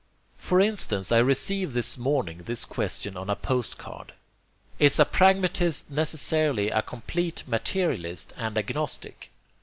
For instance I receive this morning this question on a post card: "Is a pragmatist necessarily a complete materialist and agnostic?"